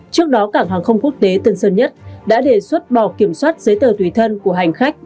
trước đó cảng hàng không quốc tế tân sơn nhất đã đề xuất bỏ kiểm soát giấy tờ tùy thân của hành khách